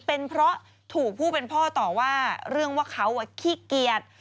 เป็นเพราะถูกผู้เป็นพ่อต่อว่าเรื่องว่าเขาขี้เกียจ